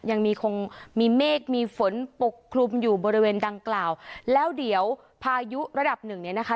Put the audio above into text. ยังคงมีเมฆมีฝนปกคลุมอยู่บริเวณดังกล่าวแล้วเดี๋ยวพายุระดับหนึ่งเนี่ยนะคะ